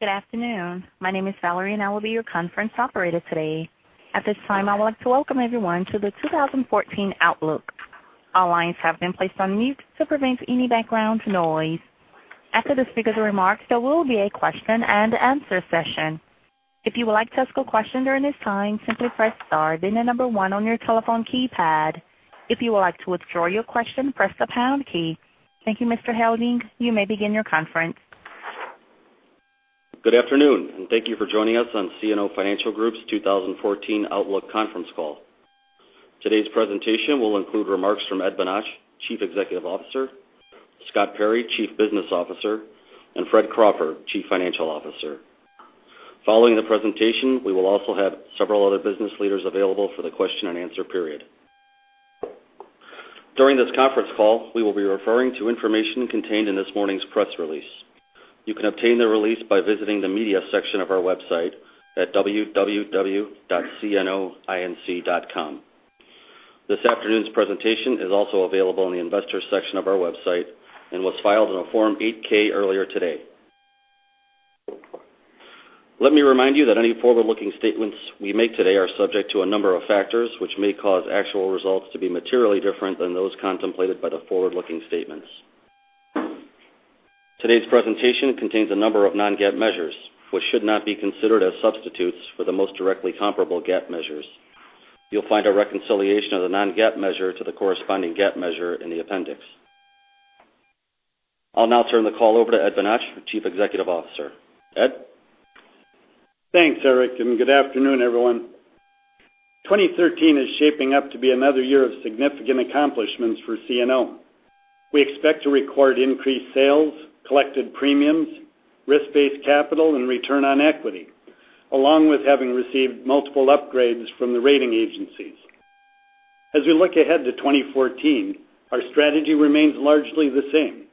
Good afternoon. My name is Valerie, and I will be your conference operator today. At this time, I would like to welcome everyone to the 2014 Outlook. All lines have been placed on mute to prevent any background noise. After the speaker's remarks, there will be a question and answer session. If you would like to ask a question during this time, simply press star then the number one on your telephone keypad. If you would like to withdraw your question, press the pound key. Thank you, Mr. Helding. You may begin your conference. Good afternoon. Thank you for joining us on CNO Financial Group's 2014 Outlook conference call. Today's presentation will include remarks from Ed Bonach, Chief Executive Officer, Scott Perry, Chief Business Officer, and Fred Crawford, Chief Financial Officer. Following the presentation, we will also have several other business leaders available for the question and answer period. During this conference call, we will be referring to information contained in this morning's press release. You can obtain the release by visiting the media section of our website at www.cnoinc.com. This afternoon's presentation is also available in the investors section of our website and was filed in a Form 8-K earlier today. Let me remind you that any forward-looking statements we make today are subject to a number of factors which may cause actual results to be materially different than those contemplated by the forward-looking statements. Today's presentation contains a number of non-GAAP measures, which should not be considered as substitutes for the most directly comparable GAAP measures. You'll find a reconciliation of the non-GAAP measure to the corresponding GAAP measure in the appendix. I'll now turn the call over to Ed Bonach, Chief Executive Officer. Ed? Thanks, Erik. Good afternoon, everyone. 2013 is shaping up to be another year of significant accomplishments for CNO. We expect to record increased sales, collected premiums, risk-based capital, and return on equity, along with having received multiple upgrades from the rating agencies. As we look ahead to 2014, our strategy remains largely the same.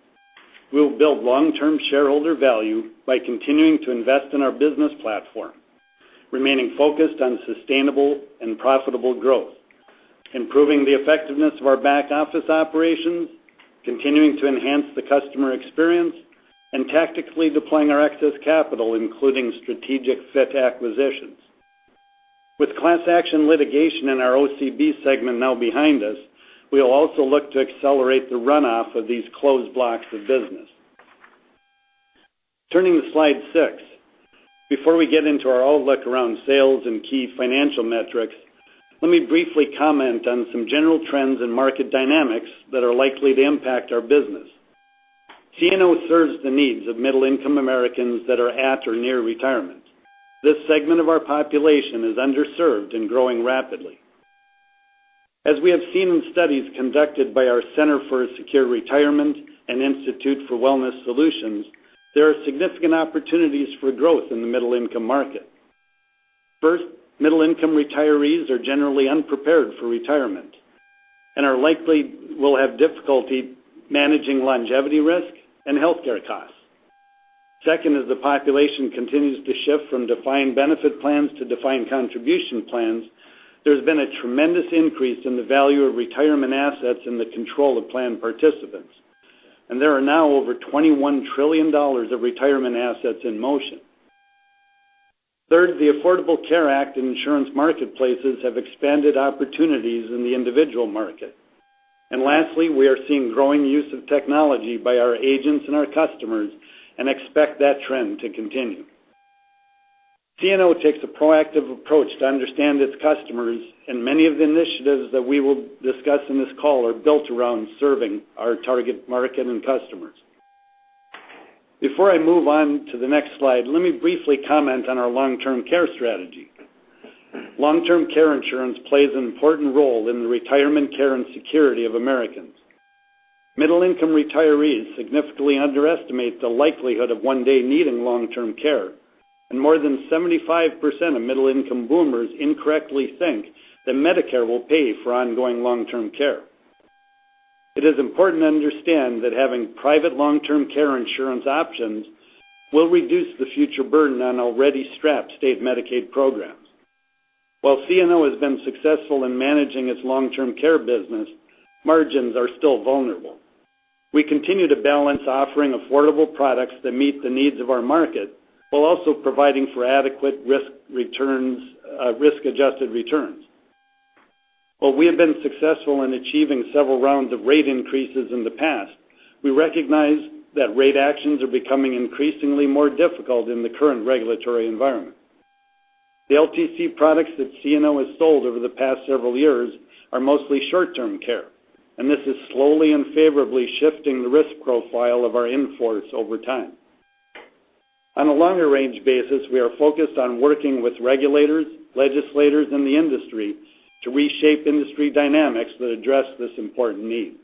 We'll build long-term shareholder value by continuing to invest in our business platform, remaining focused on sustainable and profitable growth, improving the effectiveness of our back-office operations, continuing to enhance the customer experience, and tactically deploying our excess capital, including strategic fit acquisitions. With class action litigation in our OCB segment now behind us, we will also look to accelerate the runoff of these closed blocks of business. Turning to slide six. Before we get into our outlook around sales and key financial metrics, let me briefly comment on some general trends and market dynamics that are likely to impact our business. CNO serves the needs of middle-income Americans that are at or near retirement. This segment of our population is underserved and growing rapidly. As we have seen in studies conducted by our Center for Secure Retirement and Institute for Wellness Solutions, there are significant opportunities for growth in the middle-income market. First, middle-income retirees are generally unprepared for retirement and are likely will have difficulty managing longevity risk and healthcare costs. Second, as the population continues to shift from defined benefit plans to defined contribution plans, there has been a tremendous increase in the value of retirement assets in the control of plan participants. There are now over $21 trillion of retirement assets in motion. Third, the Affordable Care Act and insurance marketplaces have expanded opportunities in the individual market. Lastly, we are seeing growing use of technology by our agents and our customers and expect that trend to continue. CNO takes a proactive approach to understand its customers, and many of the initiatives that we will discuss in this call are built around serving our target market and customers. Before I move on to the next slide, let me briefly comment on our long-term care strategy. Long-term care insurance plays an important role in the retirement care and security of Americans. Middle-income retirees significantly underestimate the likelihood of one day needing long-term care, and more than 75% of middle-income boomers incorrectly think that Medicare will pay for ongoing long-term care. It is important to understand that having private long-term care insurance options will reduce the future burden on already strapped state Medicaid programs. While CNO has been successful in managing its long-term care business, margins are still vulnerable. We continue to balance offering affordable products that meet the needs of our market while also providing for adequate risk-adjusted returns. While we have been successful in achieving several rounds of rate increases in the past, we recognize that rate actions are becoming increasingly more difficult in the current regulatory environment. The LTC products that CNO has sold over the past several years are mostly short-term care, and this is slowly and favorably shifting the risk profile of our in-force over time. On a longer-range basis, we are focused on working with regulators, legislators, and the industry to reshape industry dynamics that address this important need.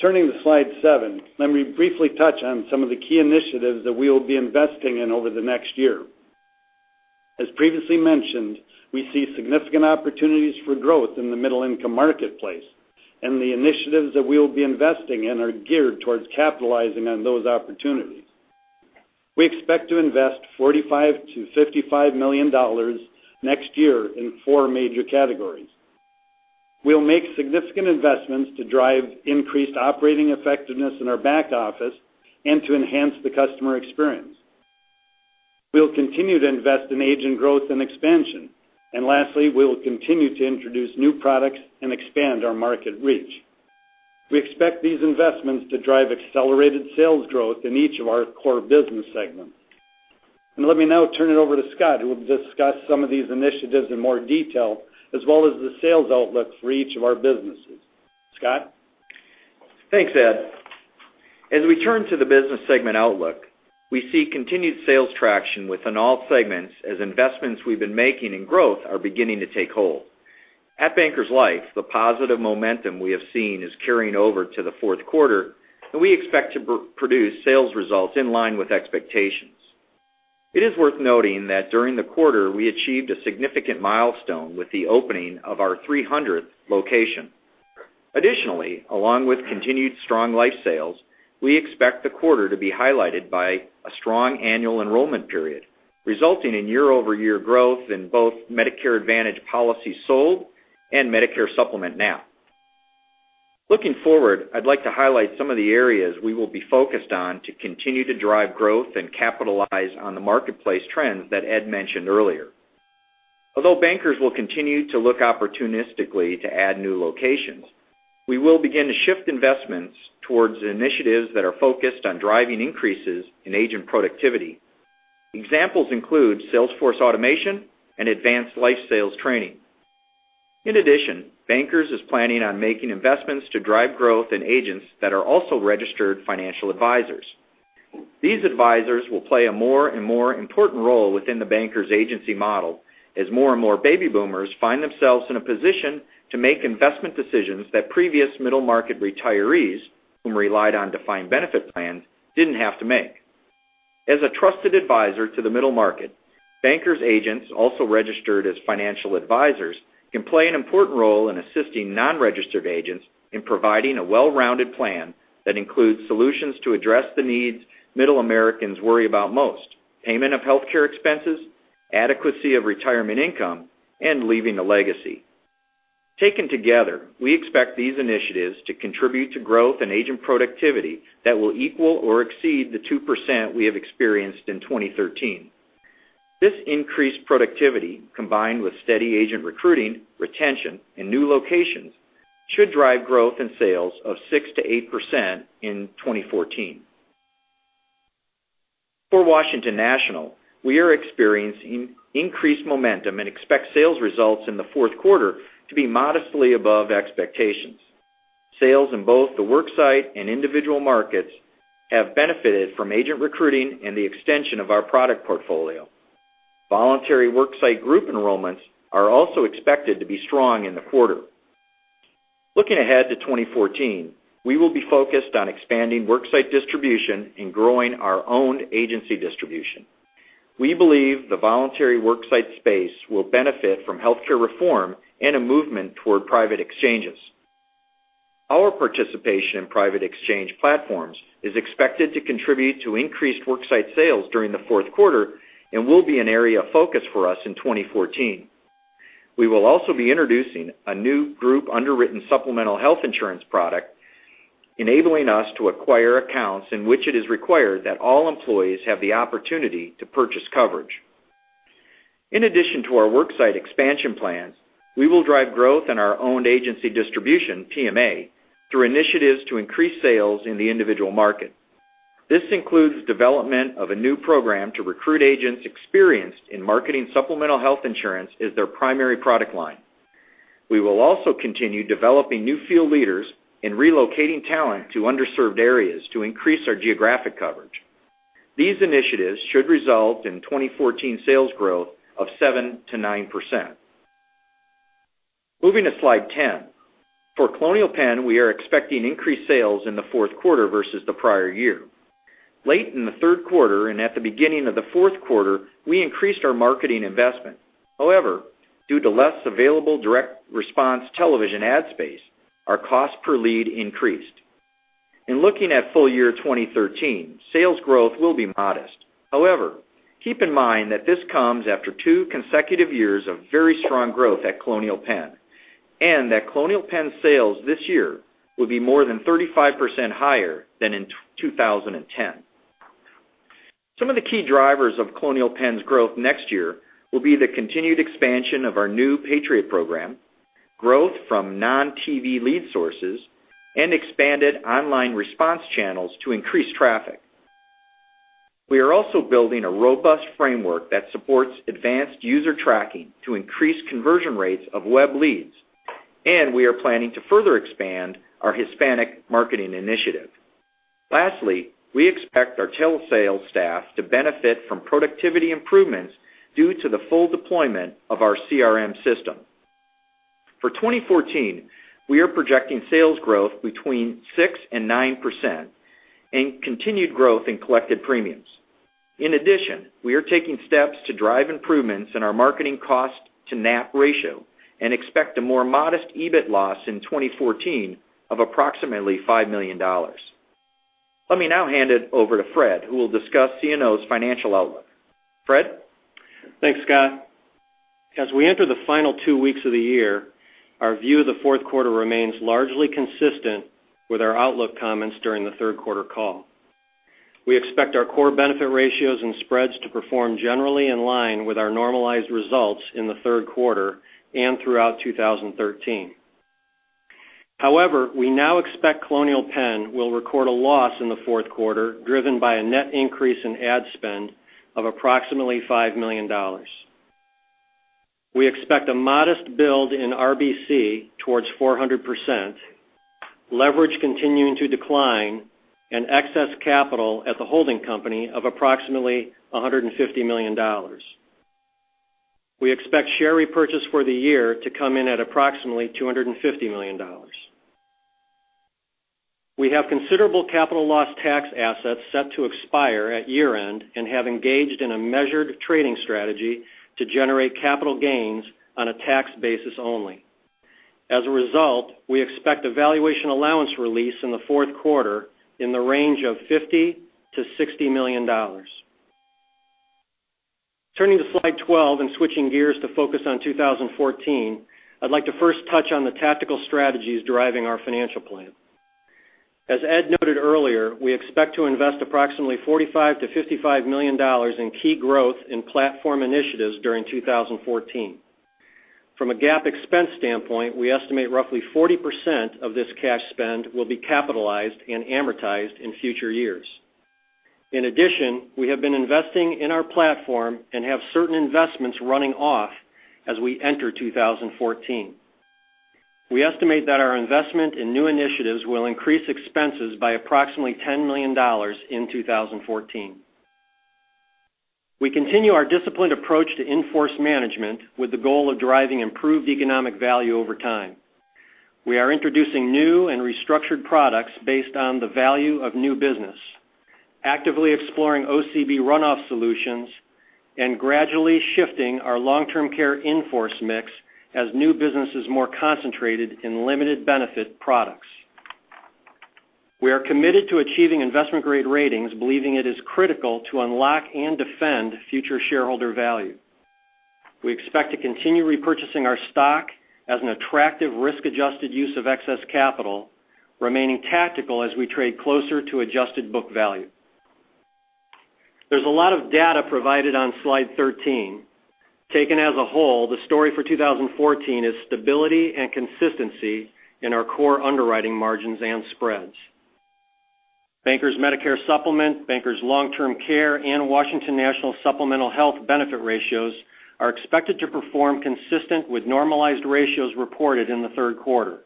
Turning to slide seven, let me briefly touch on some of the key initiatives that we will be investing in over the next year. As previously mentioned, we see significant opportunities for growth in the middle-income marketplace, and the initiatives that we will be investing in are geared towards capitalizing on those opportunities. We expect to invest $45 million-$55 million next year in four major categories. We will make significant investments to drive increased operating effectiveness in our back office and to enhance the customer experience. We will continue to invest in agent growth and expansion. Lastly, we will continue to introduce new products and expand our market reach. We expect these investments to drive accelerated sales growth in each of our core business segments. Let me now turn it over to Scott, who will discuss some of these initiatives in more detail, as well as the sales outlook for each of our businesses. Scott? Thanks, Ed. As we turn to the business segment outlook, we see continued sales traction within all segments as investments we've been making in growth are beginning to take hold. At Bankers Life, the positive momentum we have seen is carrying over to the fourth quarter, and we expect to produce sales results in line with expectations. It is worth noting that during the quarter, we achieved a significant milestone with the opening of our 300th location. Additionally, along with continued strong life sales, we expect the quarter to be highlighted by a strong annual enrollment period, resulting in year-over-year growth in both Medicare Advantage policies sold and Medicare Supplement NAP. Looking forward, I'd like to highlight some of the areas we will be focused on to continue to drive growth and capitalize on the marketplace trends that Ed mentioned earlier. Although Bankers will continue to look opportunistically to add new locations, we will begin to shift investments towards initiatives that are focused on driving increases in agent productivity. Examples include sales force automation and advanced life sales training. In addition, Bankers is planning on making investments to drive growth in agents that are also registered financial advisors. These advisors will play a more and more important role within the Bankers agency model as more and more baby boomers find themselves in a position to make investment decisions that previous middle-market retirees, whom relied on defined benefit plans, didn't have to make. As a trusted advisor to the middle market, Bankers agents also registered as financial advisors can play an important role in assisting non-registered agents in providing a well-rounded plan that includes solutions to address the needs middle Americans worry about most, payment of healthcare expenses, adequacy of retirement income, and leaving a legacy. Taken together, we expect these initiatives to contribute to growth and agent productivity that will equal or exceed the 2% we have experienced in 2013. This increased productivity, combined with steady agent recruiting, retention, and new locations, should drive growth in sales of 6%-8% in 2014. For Washington National, we are experiencing increased momentum and expect sales results in the fourth quarter to be modestly above expectations. Sales in both the worksite and individual markets have benefited from agent recruiting and the extension of our product portfolio. Voluntary worksite group enrollments are also expected to be strong in the quarter. Looking ahead to 2014, we will be focused on expanding worksite distribution and growing our own agency distribution. We believe the voluntary worksite space will benefit from healthcare reform and a movement toward private exchanges. Our participation in private exchange platforms is expected to contribute to increased worksite sales during the fourth quarter and will be an area of focus for us in 2014. We will also be introducing a new group underwritten supplemental health insurance product, enabling us to acquire accounts in which it is required that all employees have the opportunity to purchase coverage. In addition to our worksite expansion plans, we will drive growth in our own agency distribution, PMA, through initiatives to increase sales in the individual market. This includes development of a new program to recruit agents experienced in marketing supplemental health insurance as their primary product line. We will also continue developing new field leaders in relocating talent to underserved areas to increase our geographic coverage. These initiatives should result in 2014 sales growth of 7%-9%. Moving to Slide 10. For Colonial Penn, we are expecting increased sales in the fourth quarter versus the prior year. Late in the third quarter and at the beginning of the fourth quarter, we increased our marketing investment. However, due to less available direct response television ad space, our cost per lead increased. In looking at full year 2013, sales growth will be modest. However, keep in mind that this comes after two consecutive years of very strong growth at Colonial Penn, and that Colonial Penn sales this year will be more than 35% higher than in 2010. Some of the key drivers of Colonial Penn's growth next year will be the continued expansion of our new Patriot Program, growth from non-TV lead sources, expanded online response channels to increase traffic. We are also building a robust framework that supports advanced user tracking to increase conversion rates of web leads. We are planning to further expand our Hispanic marketing initiative. Lastly, we expect our telesales staff to benefit from productivity improvements due to the full deployment of our CRM system. For 2014, we are projecting sales growth between 6% and 9% and continued growth in collected premiums. In addition, we are taking steps to drive improvements in our marketing cost to NAP ratio and expect a more modest EBIT loss in 2014 of approximately $5 million. Let me now hand it over to Fred, who will discuss CNO's financial outlook. Fred? Thanks, Scott. As we enter the final two weeks of the year, our view of the fourth quarter remains largely consistent with our outlook comments during the third quarter call. We expect our core benefit ratios and spreads to perform generally in line with our normalized results in the third quarter and throughout 2013. However, we now expect Colonial Penn will record a loss in the fourth quarter, driven by a net increase in ad spend of approximately $5 million. We expect a modest build in RBC towards 400%, leverage continuing to decline, and excess capital at the holding company of approximately $150 million. We expect share repurchase for the year to come in at approximately $250 million. We have considerable capital loss tax assets set to expire at year-end and have engaged in a measured trading strategy to generate capital gains on a tax basis only. As a result, we expect a valuation allowance release in the fourth quarter in the range of $50 million-$60 million. Turning to Slide 12 and switching gears to focus on 2014, I'd like to first touch on the tactical strategies driving our financial plan. As Ed Bonach noted earlier, we expect to invest approximately $45 million-$55 million in key growth in platform initiatives during 2014. From a GAAP expense standpoint, we estimate roughly 40% of this cash spend will be capitalized and amortized in future years. In addition, we have been investing in our platform and have certain investments running off as we enter 2014. We estimate that our investment in new initiatives will increase expenses by approximately $10 million in 2014. We continue our disciplined approach to in-force management with the goal of driving improved economic value over time. We are introducing new and restructured products based on the value of new business, actively exploring OCB runoff solutions, and gradually shifting our long-term care in-force mix as new business is more concentrated in limited benefit products. We are committed to achieving investment-grade ratings, believing it is critical to unlock and defend future shareholder value. We expect to continue repurchasing our stock as an attractive risk-adjusted use of excess capital, remaining tactical as we trade closer to adjusted book value. There's a lot of data provided on slide 13. Taken as a whole, the story for 2014 is stability and consistency in our core underwriting margins and spreads. Bankers Medicare Supplement, Bankers Long-Term Care, and Washington National Supplemental Health benefit ratios are expected to perform consistent with normalized ratios reported in the third quarter.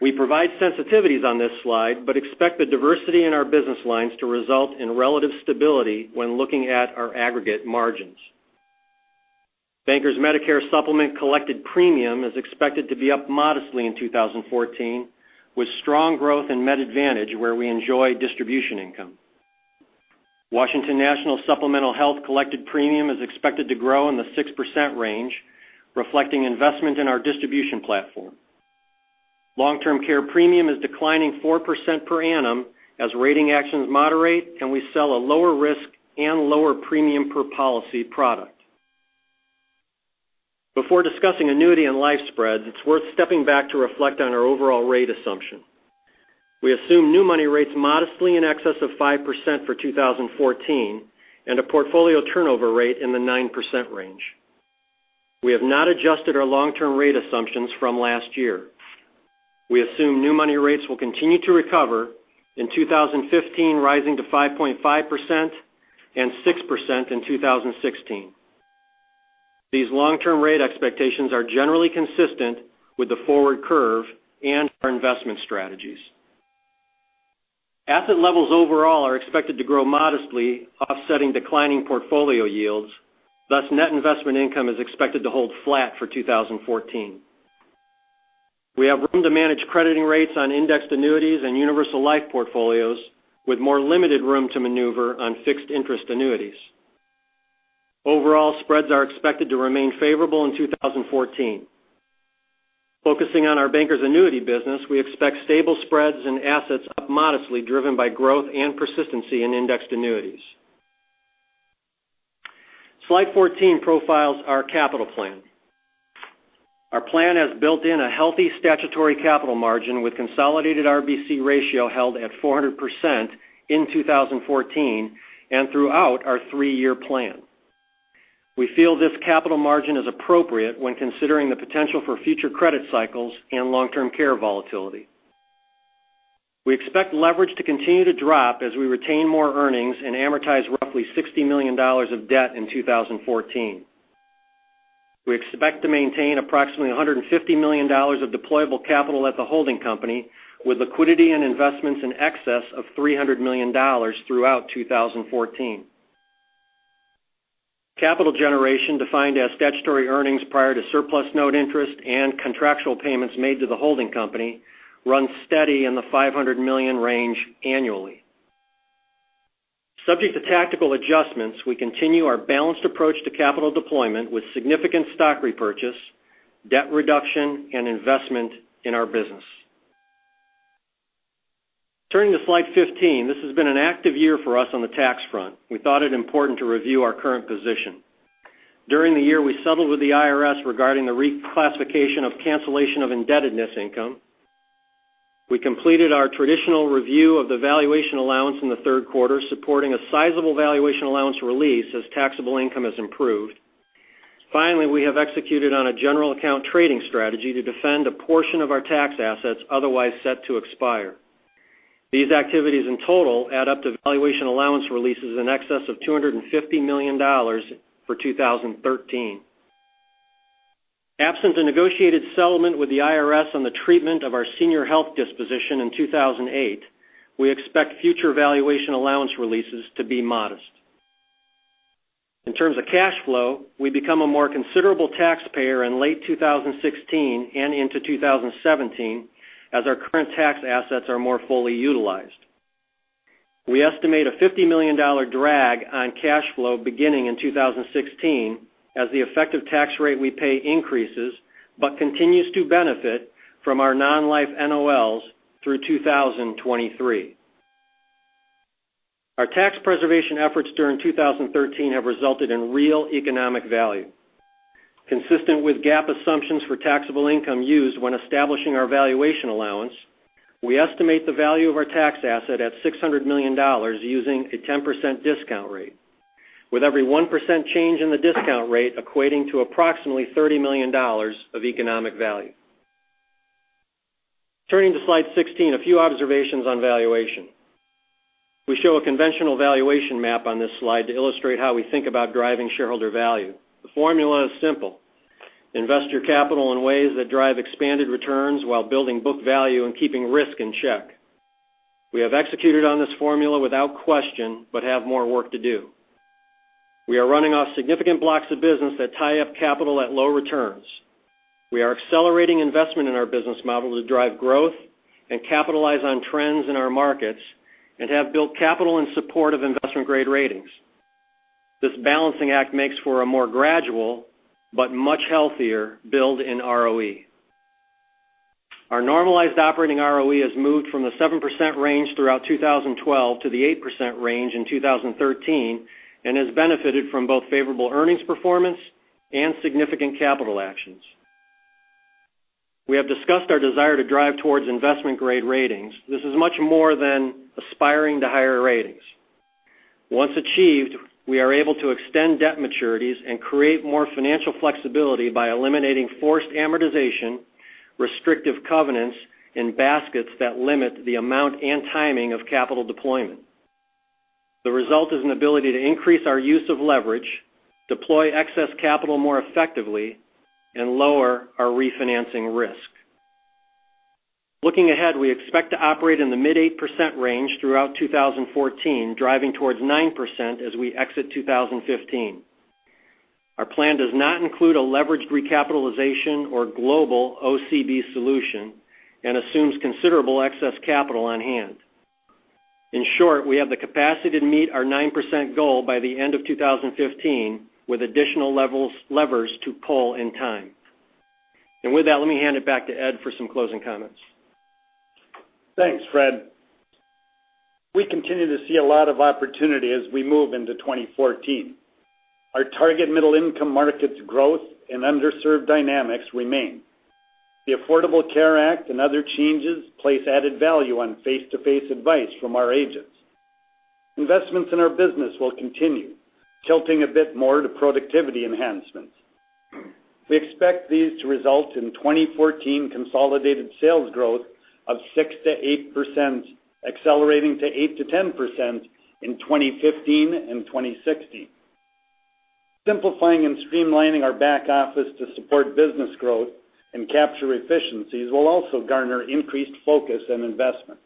We provide sensitivities on this slide, expect the diversity in our business lines to result in relative stability when looking at our aggregate margins. Bankers Medicare Supplement collected premium is expected to be up modestly in 2014, with strong growth in MedAdvantage, where we enjoy distribution income. Washington National Supplemental Health collected premium is expected to grow in the 6% range, reflecting investment in our distribution platform. Long-term care premium is declining 4% per annum as rating actions moderate and we sell a lower risk and lower premium per policy product. Before discussing annuity and life spreads, it's worth stepping back to reflect on our overall rate assumption. We assume new money rates modestly in excess of 5% for 2014 and a portfolio turnover rate in the 9% range. We have not adjusted our long-term rate assumptions from last year. We assume new money rates will continue to recover in 2015, rising to 5.5% and 6% in 2016. These long-term rate expectations are generally consistent with the forward curve and our investment strategies. Asset levels overall are expected to grow modestly, offsetting declining portfolio yields, thus net investment income is expected to hold flat for 2014. We have room to manage crediting rates on indexed annuities and universal life portfolios with more limited room to maneuver on fixed interest annuities. Overall, spreads are expected to remain favorable in 2014. Focusing on our Bankers Annuity business, we expect stable spreads and assets up modestly, driven by growth and persistency in indexed annuities. Slide 14 profiles our capital plan. Our plan has built in a healthy statutory capital margin with consolidated RBC ratio held at 400% in 2014 and throughout our three-year plan. We feel this capital margin is appropriate when considering the potential for future credit cycles and long-term care volatility. We expect leverage to continue to drop as we retain more earnings and amortize roughly $60 million of debt in 2014. We expect to maintain approximately $150 million of deployable capital at the holding company, with liquidity and investments in excess of $300 million throughout 2014. Capital generation, defined as statutory earnings prior to surplus note interest and contractual payments made to the holding company, run steady in the $500 million range annually. Subject to tactical adjustments, we continue our balanced approach to capital deployment with significant stock repurchase, debt reduction, and investment in our business. Turning to slide 15, this has been an active year for us on the tax front. We thought it important to review our current position. During the year, we settled with the IRS regarding the reclassification of cancellation of indebtedness income. We completed our traditional review of the valuation allowance in the third quarter, supporting a sizable valuation allowance release as taxable income has improved. Finally, we have executed on a general account trading strategy to defend a portion of our tax assets otherwise set to expire. These activities in total add up to valuation allowance releases in excess of $250 million for 2013. Absent a negotiated settlement with the IRS on the treatment of our senior health disposition in 2008, we expect future valuation allowance releases to be modest. In terms of cash flow, we become a more considerable taxpayer in late 2016 and into 2017 as our current tax assets are more fully utilized. We estimate a $50 million drag on cash flow beginning in 2016 as the effective tax rate we pay increases, but continues to benefit from our non-life NOLs through 2023. Our tax preservation efforts during 2013 have resulted in real economic value. Consistent with GAAP assumptions for taxable income used when establishing our valuation allowance, we estimate the value of our tax asset at $600 million using a 10% discount rate, with every 1% change in the discount rate equating to approximately $30 million of economic value. Turning to slide 16, a few observations on valuation. We show a conventional valuation map on this slide to illustrate how we think about driving shareholder value. The formula is simple. Invest your capital in ways that drive expanded returns while building book value and keeping risk in check. We have executed on this formula without question but have more work to do. We are running off significant blocks of business that tie up capital at low returns. We are accelerating investment in our business model to drive growth and capitalize on trends in our markets and have built capital in support of investment-grade ratings. This balancing act makes for a more gradual but much healthier build in ROE. Our normalized operating ROE has moved from the 7% range throughout 2012 to the 8% range in 2013 and has benefited from both favorable earnings performance and significant capital actions. We have discussed our desire to drive towards investment-grade ratings. This is much more than aspiring to higher ratings. Once achieved, we are able to extend debt maturities and create more financial flexibility by eliminating forced amortization, restrictive covenants in baskets that limit the amount and timing of capital deployment. The result is an ability to increase our use of leverage, deploy excess capital more effectively, and lower our refinancing risk. Looking ahead, we expect to operate in the mid-8% range throughout 2014, driving towards 9% as we exit 2015. Our plan does not include a leveraged recapitalization or global OCB solution and assumes considerable excess capital on hand. In short, we have the capacity to meet our 9% goal by the end of 2015 with additional levers to pull in time. With that, let me hand it back to Ed for some closing comments. Thanks, Fred. We continue to see a lot of opportunity as we move into 2014. Our target middle income markets growth and underserved dynamics remain. The Affordable Care Act and other changes place added value on face-to-face advice from our agents. Investments in our business will continue, tilting a bit more to productivity enhancements. We expect these to result in 2014 consolidated sales growth of 6%-8%, accelerating to 8%-10% in 2015 and 2016. Simplifying and streamlining our back office to support business growth and capture efficiencies will also garner increased focus and investment.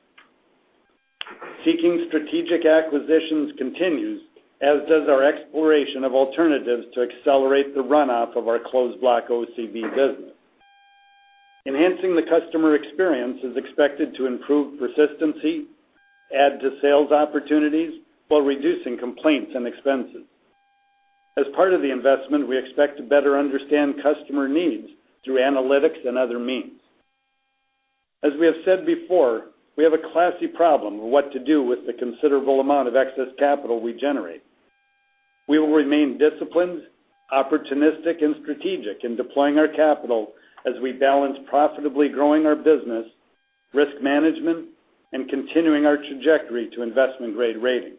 Seeking strategic acquisitions continues, as does our exploration of alternatives to accelerate the runoff of our closed block OCB business. Enhancing the customer experience is expected to improve persistency, add to sales opportunities while reducing complaints and expenses. As part of the investment, we expect to better understand customer needs through analytics and other means. As we have said before, we have a classy problem of what to do with the considerable amount of excess capital we generate. We will remain disciplined, opportunistic, and strategic in deploying our capital as we balance profitably growing our business, risk management, and continuing our trajectory to investment-grade ratings.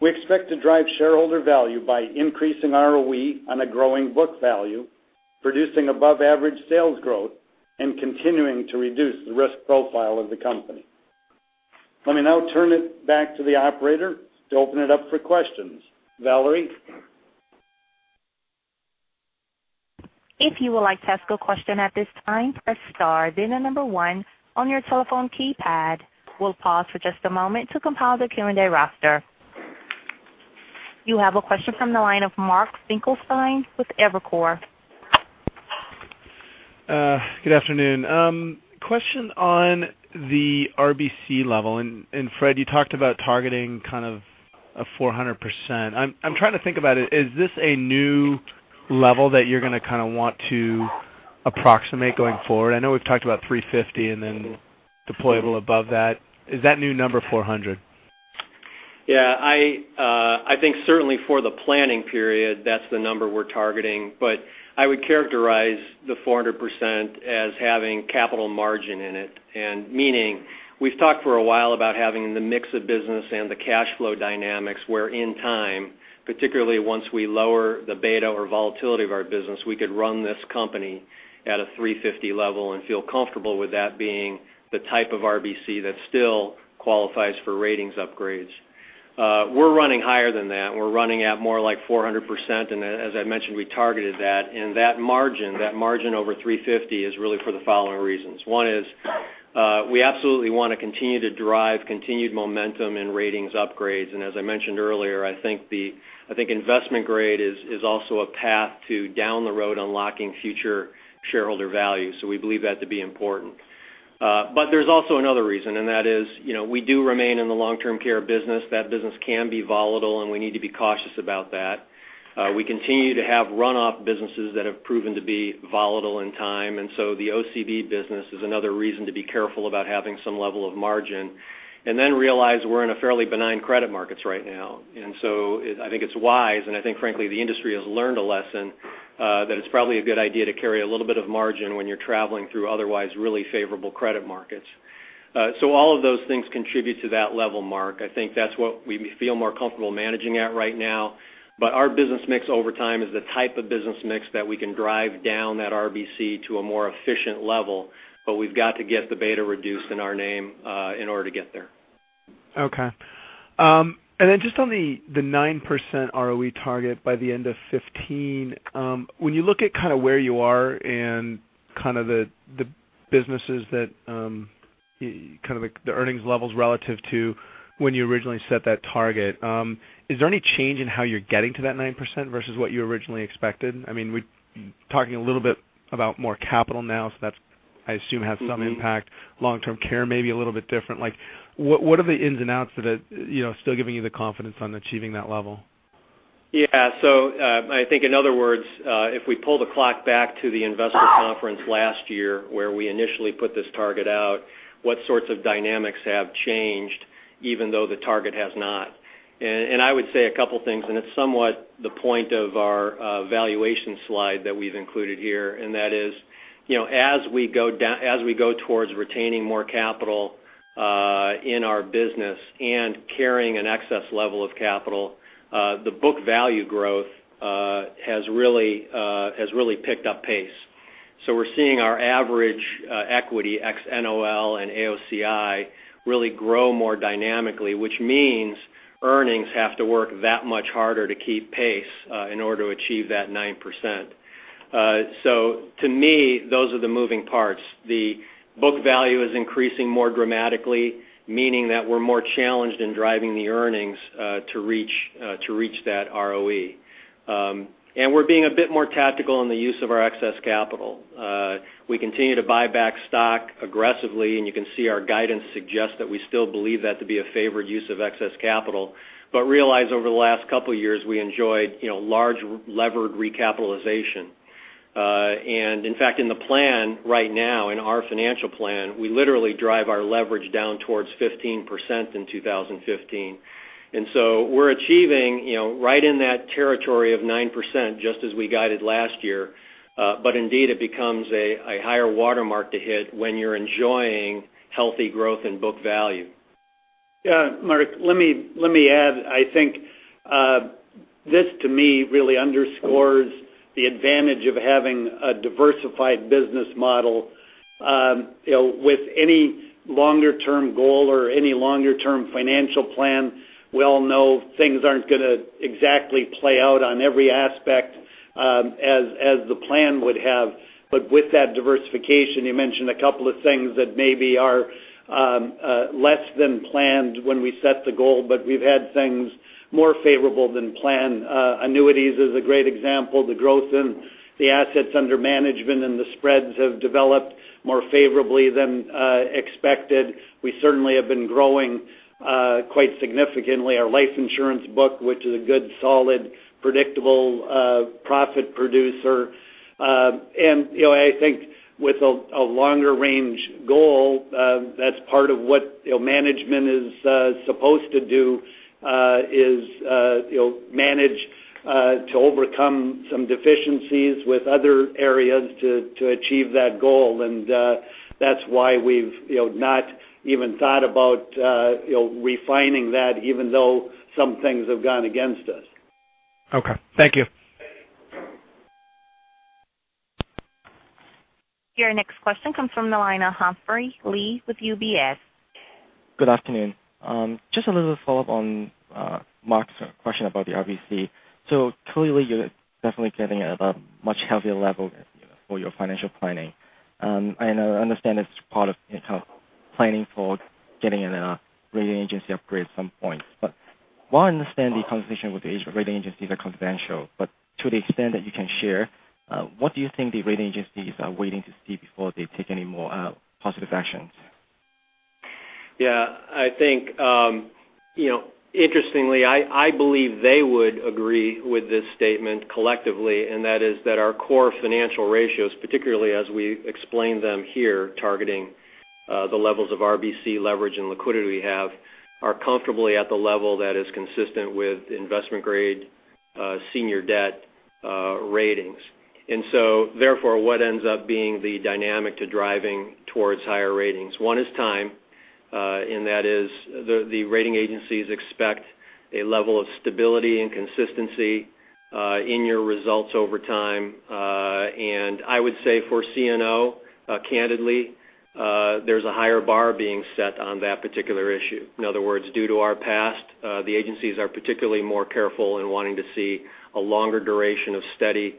We expect to drive shareholder value by increasing ROE on a growing book value, producing above-average sales growth, and continuing to reduce the risk profile of the company. Let me now turn it back to the operator to open it up for questions. Valerie? If you would like to ask a question at this time, press star then the number one on your telephone keypad. We'll pause for just a moment to compile the Q&A roster. You have a question from the line of Mark Finkelstein with Evercore Good afternoon. Question on the RBC level. Fred, you talked about targeting kind of a 400%. I'm trying to think about it. Is this a new level that you're going to kind of want to approximate going forward? I know we've talked about 350 and then deployable above that. Is that new number 400? Yeah. I think certainly for the planning period, that's the number we're targeting, but I would characterize the 400% as having capital margin in it, meaning we've talked for a while about having the mix of business and the cash flow dynamics, where in time, particularly once we lower the beta or volatility of our business, we could run this company at a 350 level and feel comfortable with that being the type of RBC that still qualifies for ratings upgrades. We're running higher than that. We're running at more like 400%, as I mentioned, we targeted that. That margin over 350 is really for the following reasons. One is, we absolutely want to continue to drive continued momentum in ratings upgrades. As I mentioned earlier, I think investment grade is also a path to down the road unlocking future shareholder value. We believe that to be important. There's also another reason, and that is, we do remain in the long-term care business. That business can be volatile, and we need to be cautious about that. We continue to have runoff businesses that have proven to be volatile in time. The OCB business is another reason to be careful about having some level of margin. Then realize we're in a fairly benign credit markets right now. I think it's wise, and I think frankly, the industry has learned a lesson, that it's probably a good idea to carry a little bit of margin when you're traveling through otherwise really favorable credit markets. All of those things contribute to that level, Mark. I think that's what we feel more comfortable managing at right now. Our business mix over time is the type of business mix that we can drive down that RBC to a more efficient level. We've got to get the beta reduced in our name, in order to get there. Okay. Just on the 9% ROE target by the end of 2015. When you look at kind of where you are and kind of the businesses that kind of like the earnings levels relative to when you originally set that target, is there any change in how you're getting to that 9% versus what you originally expected? I mean, we're talking a little bit about more capital now, so that I assume has some impact. Long-term care may be a little bit different. What are the ins and outs that are still giving you the confidence on achieving that level? Yeah. I think in other words, if we pull the clock back to the investor conference last year where we initially put this target out, what sorts of dynamics have changed even though the target has not? I would say a couple things, and it's somewhat the point of our valuation slide that we've included here, and that is, as we go towards retaining more capital in our business and carrying an excess level of capital, the book value growth has really picked up pace. We're seeing our average equity ex NOL and AOCI really grow more dynamically, which means earnings have to work that much harder to keep pace in order to achieve that 9%. To me, those are the moving parts. The book value is increasing more dramatically, meaning that we're more challenged in driving the earnings to reach that ROE. We're being a bit more tactical in the use of our excess capital. We continue to buy back stock aggressively, and you can see our guidance suggests that we still believe that to be a favored use of excess capital. Realize over the last couple of years, we enjoyed large levered recapitalization. In fact, in the plan right now, in our financial plan, we literally drive our leverage down towards 15% in 2015. We're achieving right in that territory of 9%, just as we guided last year. Indeed, it becomes a higher watermark to hit when you're enjoying healthy growth in book value. Yeah. Mark, let me add. I think this to me really underscores the advantage of having a diversified business model. With any longer-term goal or any longer-term financial plan, we all know things aren't going to exactly play out on every aspect as the plan would have. With that diversification, you mentioned a couple of things that maybe are less than planned when we set the goal, but we've had things more favorable than planned. Annuities is a great example. The growth in the assets under management and the spreads have developed more favorably than expected. We certainly have been growing quite significantly our life insurance book, which is a good, solid, predictable profit producer. I think with a longer range goal, that's part of what management is supposed to do is manage to overcome some deficiencies with other areas to achieve that goal. That's why we've not even thought about refining that even though some things have gone against us. Okay. Thank you. Your next question comes from the line of Humphrey Lee with UBS. Good afternoon. Just a little follow-up on Mark's question about the RBC. Clearly you're definitely getting at a much healthier level for your financial planning. I understand it's part of planning for getting a rating agency upgrade at some point. While I understand the conversation with the rating agencies are confidential, to the extent that you can share, what do you think the rating agencies are waiting to see before they take any more positive actions? Yeah. Interestingly, I believe they would agree with this statement collectively, that is that our core financial ratios, particularly as we explain them here, targeting the levels of RBC leverage and liquidity we have, are comfortably at the level that is consistent with investment-grade senior debt ratings. Therefore, what ends up being the dynamic to driving towards higher ratings? One is time, that is the rating agencies expect a level of stability and consistency in your results over time. I would say for CNO, candidly, there's a higher bar being set on that particular issue. In other words, due to our past, the agencies are particularly more careful in wanting to see a longer duration of steady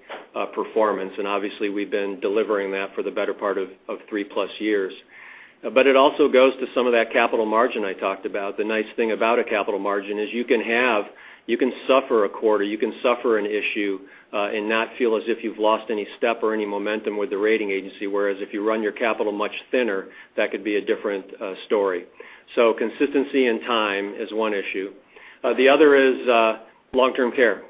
performance. Obviously, we've been delivering that for the better part of three-plus years. It also goes to some of that capital margin I talked about. The nice thing about a capital margin is you can suffer a quarter, you can suffer an issue, and not feel as if you've lost any step or any momentum with the rating agency. Whereas if you run your capital much thinner, that could be a different story. Consistency and time is one issue. The other is long-term care.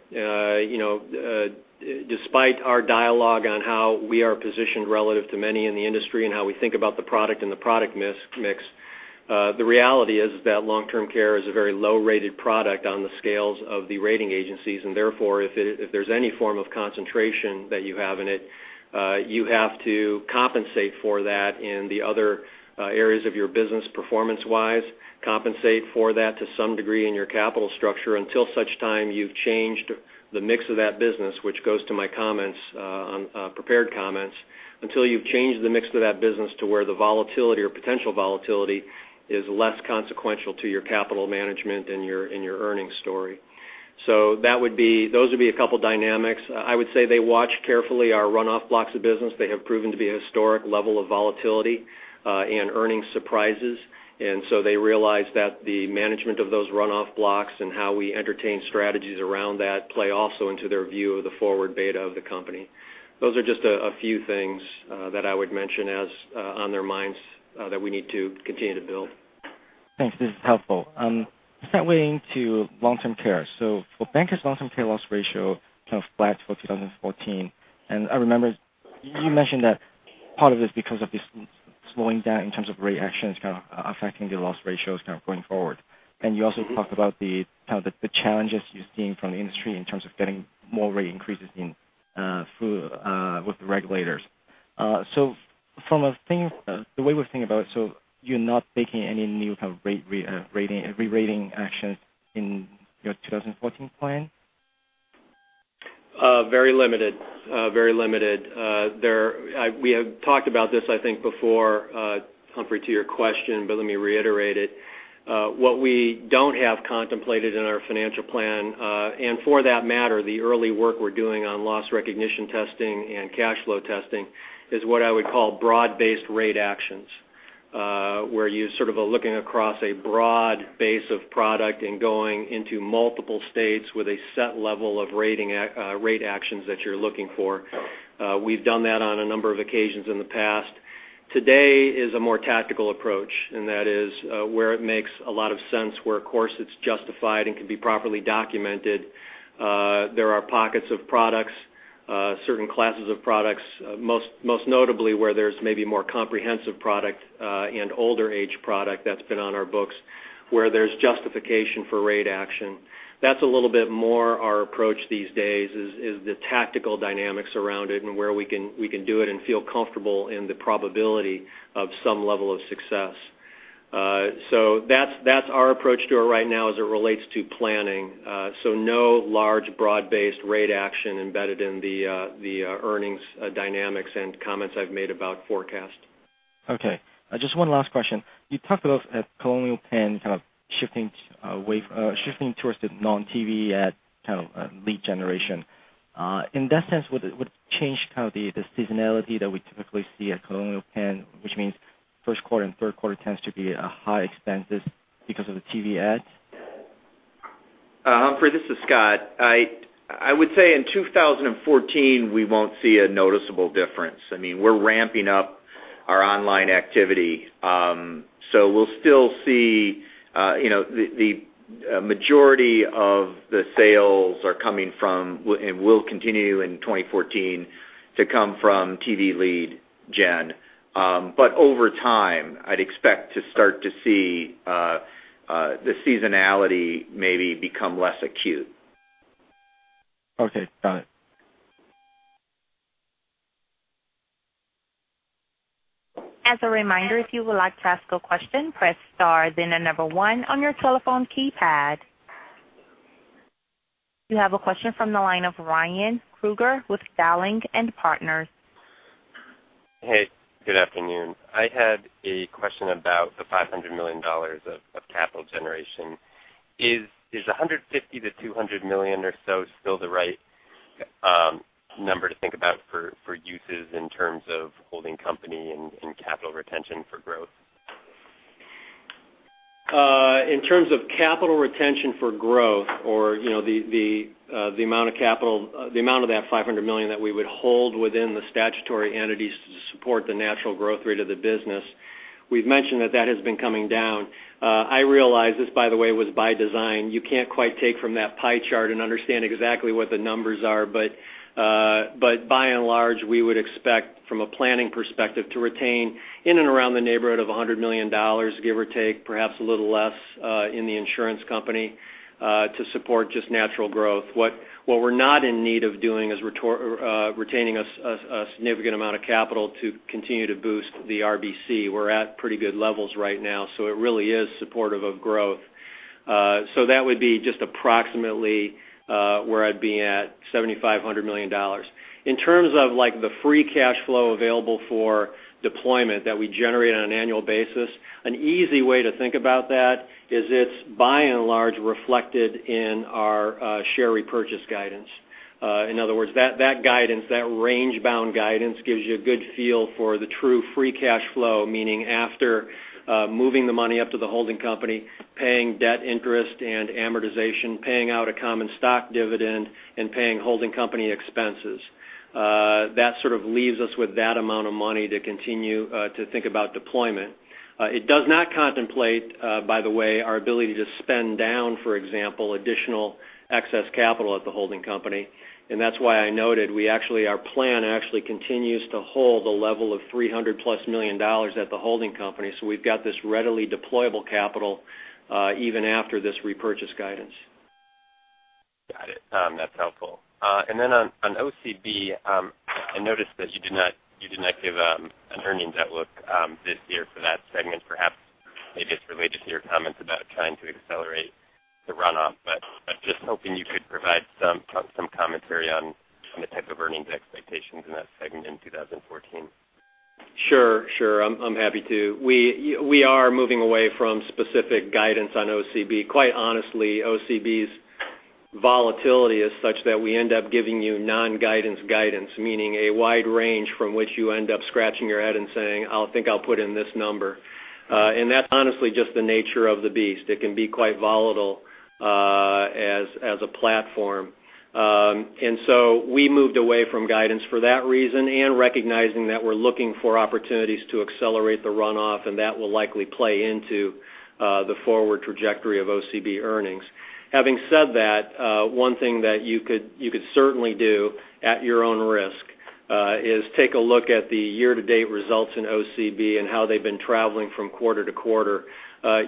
Despite our dialogue on how we are positioned relative to many in the industry and how we think about the product and the product mix, the reality is that long-term care is a very low-rated product on the scales of the rating agencies, and therefore, if there's any form of concentration that you have in it, you have to compensate for that in the other areas of your business performance-wise, compensate for that to some degree in your capital structure, until such time you've changed the mix of that business, which goes to my prepared comments. Until you've changed the mix of that business to where the volatility or potential volatility is less consequential to your capital management and your earnings story. Those would be a couple of dynamics. I would say they watch carefully our runoff blocks of business. They have proven to be a historic level of volatility and earning surprises. They realize that the management of those runoff blocks and how we entertain strategies around that play also into their view of the forward beta of the company. Those are just a few things that I would mention as on their minds, that we need to continue to build. Thanks. This is helpful. Let's start weighing to long-term care. For Bankers, long-term care loss ratio kind of flat for 2014. I remember you mentioned that part of it is because of this slowing down in terms of rate actions kind of affecting the loss ratios kind of going forward. You also talked about the kind of the challenges you're seeing from the industry in terms of getting more rate increases with the regulators. The way we're thinking about it, you're not taking any new kind of re-rating actions in your 2014 plan? Very limited. We have talked about this, I think, before, Humphrey, to your question, but let me reiterate it. What we don't have contemplated in our financial plan, and for that matter, the early work we're doing on loss recognition testing and cash flow testing is what I would call broad-based rate actions, where you sort of are looking across a broad base of product and going into multiple states with a set level of rate actions that you're looking for. We've done that on a number of occasions in the past. Today is a more tactical approach, and that is where it makes a lot of sense, where, of course, it's justified and can be properly documented. There are pockets of products, certain classes of products, most notably where there's maybe more comprehensive product, and older age product that's been on our books where there's justification for rate action. That's a little bit more our approach these days, is the tactical dynamics around it and where we can do it and feel comfortable in the probability of some level of success. That's our approach to it right now as it relates to planning. No large broad-based rate action embedded in the earnings dynamics and comments I've made about forecast. Okay. Just one last question. You talked about Colonial Penn kind of shifting towards the non-TV ad kind of lead generation. In that sense, would it change kind of the seasonality that we typically see at Colonial Penn, which means first quarter and third quarter tends to be high expenses because of the TV ads? Humphrey, this is Scott. I would say in 2014, we won't see a noticeable difference. We're ramping up our online activity. We'll still see the majority of the sales are coming from, and will continue in 2014 to come from TV lead gen. Over time, I'd expect to start to see the seasonality maybe become less acute. Okay. Got it. As a reminder, if you would like to ask a question, press star then the number one on your telephone keypad. You have a question from the line of Ryan Krueger with Dowling & Partners. Hey, good afternoon. I had a question about the $500 million of capital generation. Is $150 million-$200 million or so still the right number to think about for uses in terms of holding company and capital retention for growth. In terms of capital retention for growth or the amount of that $500 million that we would hold within the statutory entities to support the natural growth rate of the business. We've mentioned that has been coming down. I realize this, by the way, was by design. You can't quite take from that pie chart and understand exactly what the numbers are, by and large, we would expect from a planning perspective to retain in and around the neighborhood of $100 million, give or take, perhaps a little less, in the insurance company, to support just natural growth. What we're not in need of doing is retaining a significant amount of capital to continue to boost the RBC. We're at pretty good levels right now, it really is supportive of growth. That would be just approximately where I'd be at $7,500 million. In terms of the free cash flow available for deployment that we generate on an annual basis, an easy way to think about that is it's by and large reflected in our share repurchase guidance. In other words, that range bound guidance gives you a good feel for the true free cash flow, meaning after moving the money up to the holding company, paying debt interest and amortization, paying out a common stock dividend and paying holding company expenses. That sort of leaves us with that amount of money to continue to think about deployment. It does not contemplate, by the way, our ability to spend down, for example, additional excess capital at the holding company. That's why I noted our plan actually continues to hold a level of $300+ million at the holding company. We've got this readily deployable capital, even after this repurchase guidance. Got it. That's helpful. On OCB, I noticed that you did not give an earnings outlook this year for that segment. Perhaps maybe it's related to your comments about trying to accelerate the runoff, but just hoping you could provide some commentary on the type of earnings expectations in that segment in 2014. Sure, sure. I'm happy to. We are moving away from specific guidance on OCB. Quite honestly, OCB's volatility is such that we end up giving you non-guidance guidance, meaning a wide range from which you end up scratching your head and saying, "I think I'll put in this number." That's honestly just the nature of the beast. It can be quite volatile as a platform. We moved away from guidance for that reason and recognizing that we're looking for opportunities to accelerate the runoff, and that will likely play into the forward trajectory of OCB earnings. Having said that, one thing that you could certainly do at your own risk, is take a look at the year-to-date results in OCB and how they've been traveling from quarter to quarter.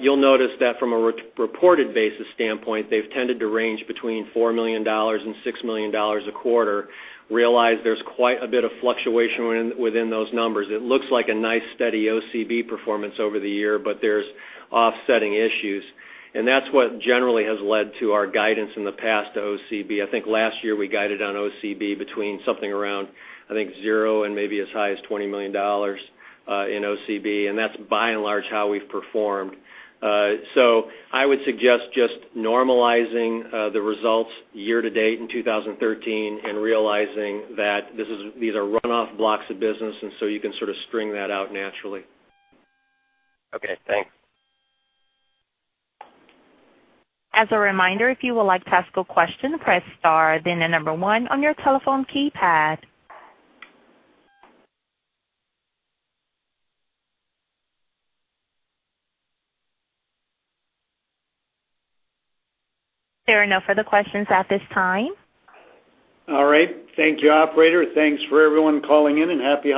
You'll notice that from a reported basis standpoint, they've tended to range between $4 million and $6 million a quarter. Realize there's quite a bit of fluctuation within those numbers. It looks like a nice steady OCB performance over the year, but there's offsetting issues, and that's what generally has led to our guidance in the past to OCB. I think last year we guided on OCB between something around, I think zero and maybe as high as $20 million in OCB, and that's by and large how we've performed. I would suggest just normalizing the results year to date in 2013 and realizing that these are runoff blocks of business, and so you can sort of string that out naturally. Okay, thanks. As a reminder, if you would like to ask a question, press star then the number one on your telephone keypad. There are no further questions at this time. All right. Thank you, operator. Thanks for everyone calling in. Happy holidays.